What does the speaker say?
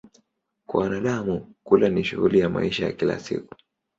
Kwa wanadamu, kula ni shughuli ya maisha ya kila siku.